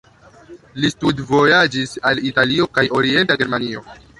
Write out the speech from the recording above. Li studvojaĝis al Italio kaj Orienta Germanio.